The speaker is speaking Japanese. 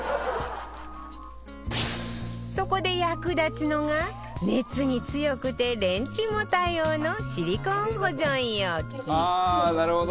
そこで役立つのが熱に強くてレンチンも対応のシリコーン保存容器「ああーなるほど！